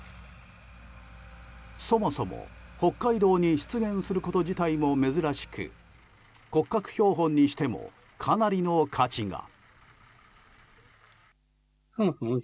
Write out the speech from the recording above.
そもそも、北海道に出現すること自体も珍しく骨格標本にしてもかなりの価値が。